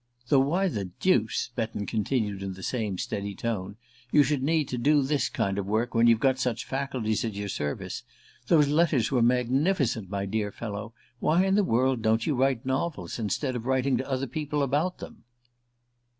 "Though why the deuce," Betton continued in the same steady tone, "you should need to do this kind of work when you've got such faculties at your service those letters were magnificent, my dear fellow! Why in the world don't you write novels, instead of writing to other people about them?"